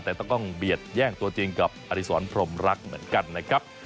แต่ต้องเบียดแย่งตัวจริงกับอดีศรพรมรักเหมือนกันนะครับ